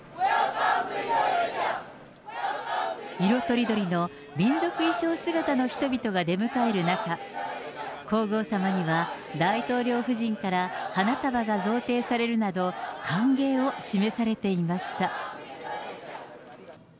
色とりどりの民族衣装姿の人々が出迎える中、皇后さまには大統領夫人から花束が贈呈されるなど、歓迎を示されていました。